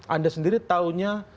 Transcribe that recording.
anda sendiri tahunya